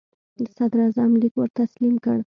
د صدراعظم لیک ور تسلیم کړ.